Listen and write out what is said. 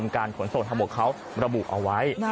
การขนส่งทางบกเขาระบุเอาไว้